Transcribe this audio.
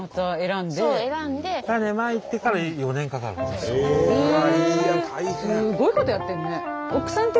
すごいことやってるね。